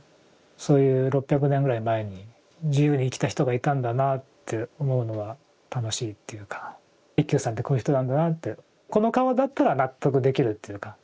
そういう６００年ぐらい前に自由に生きた人がいたんだなあって思うのは楽しいっていうか一休さんってこういう人なんだなってこの顔だったら納得できるっていうか。